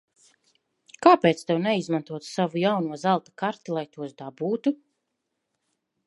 Kāpēc tev neizmantot savu jauno zelta karti, lai tos dabūtu?